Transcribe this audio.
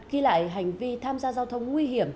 ghi lại hành vi tham gia giao thông nguy hiểm